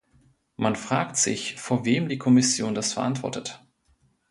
Man fragt sich, vor wem die Kommission das verantwortet.